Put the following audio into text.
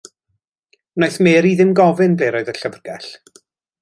Wnaeth Mary ddim gofyn ble roedd y llyfrgell.